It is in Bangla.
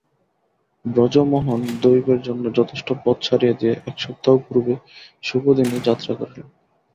ব্রজমোহন দৈবের জন্য যথেষ্ট পথ ছাড়িয়া দিয়া এক সপ্তাহ পূর্বে শুভদিনে যাত্রা করিলেন।